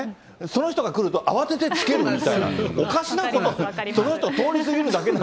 その人が来ると慌ててつけるみたいな、おかしなこと、そうなんですよね。